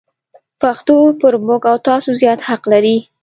پښتو پر موږ او تاسو زیات حق لري.